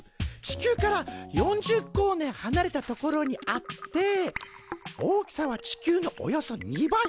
地球から４０光年はなれた所にあって大きさは地球のおよそ２倍。